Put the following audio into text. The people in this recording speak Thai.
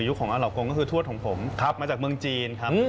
ของอาเหล่ากงก็คือทวดของผมมาจากเมืองจีนครับ